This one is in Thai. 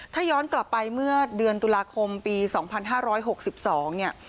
ถ้าย้อนกลับไปเมื่อเดือนตุลาคมปีสองพันห้าร้อยหกสิบสองเนี่ย